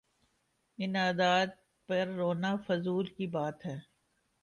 ان عادات پہ رونا فضول کی بات ہے۔